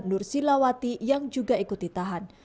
nur silawati yang juga ikut ditahan